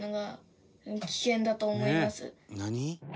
「何？」